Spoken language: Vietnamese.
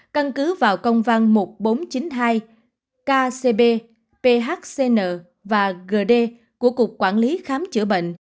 căn cứ vào công văn một nghìn bốn trăm chín mươi hai kcb phcn và gd của cục quản lý khám chữa bệnh